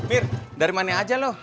amir dari mana aja lo